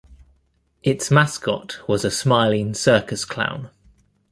Its mascot was a smiling circus clown.